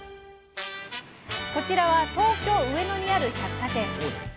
こちらは東京上野にある百貨店。